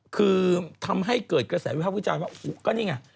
คือทำให้เกิดกระแสวิภาพวิจารณ์ว่า